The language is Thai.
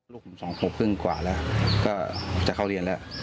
ลูกผม๒ขวบครึ่งกว่าแล้วก็จะเข้าเรียนแล้ว